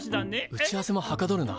打ち合わせもはかどるな。